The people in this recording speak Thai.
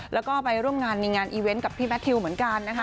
แล้วก็ไปร่วมงานในงานอีเวนต์กับพี่แมททิวเหมือนกันนะคะ